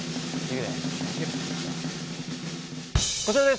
こちらです。